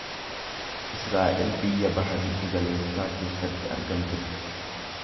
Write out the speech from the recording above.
Israa’el biyya Baha Giddu Galeessa keessatti argamtu dha.